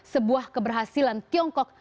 sebuah keberhasilan tiongkok